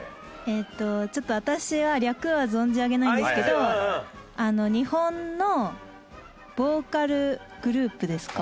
えっとちょっと私は略は存じ上げないんですけど日本のボーカルグループですか？